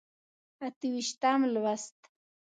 اته ویشتم لوست.